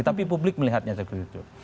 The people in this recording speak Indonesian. tapi publik melihatnya seperti itu